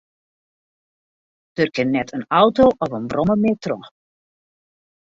Der kin net in auto of in brommer mear troch.